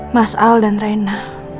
mas al dan riana